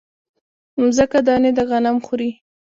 مځکه دانې د غنم خوري